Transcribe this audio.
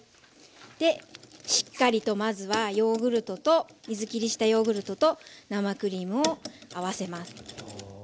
しっかりとまずはヨーグルトと水きりしたヨーグルトと生クリームを合わせます。